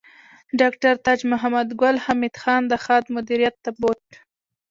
ډاکټر تاج محمد ګل حمید خان د خاد مدیریت ته بوت